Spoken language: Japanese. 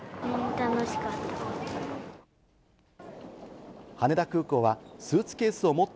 楽しかった。